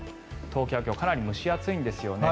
東京は今日かなり蒸し暑いんですよね。